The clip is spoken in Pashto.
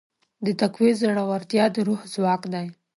د تقوی زړورتیا د روح ځواک دی.